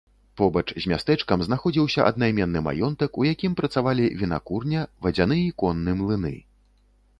Побач з мястэчкам знаходзіўся аднайменны маёнтак, у якім працавалі вінакурня, вадзяны і конны млыны.